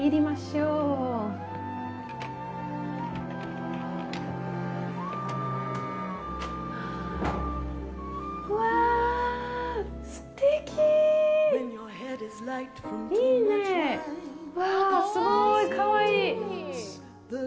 うわぁ、すごい、かわいい！